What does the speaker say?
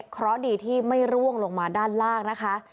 เพราะดีที่ไม่ร่วงลงมาด้านล่างนะคะ